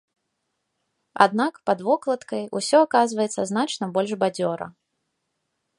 Аднак, пад вокладкай усё аказваецца значна больш бадзёра.